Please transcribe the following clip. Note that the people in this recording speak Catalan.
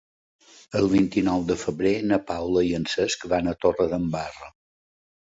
El vint-i-nou de febrer na Paula i en Cesc van a Torredembarra.